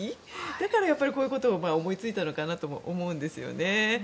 だから、こういうことを思いついたのかなと思うんですよね。